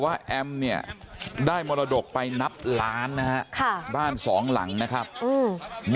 แอมเนี่ยได้มรดกไปนับล้านนะฮะค่ะบ้านสองหลังนะครับอืม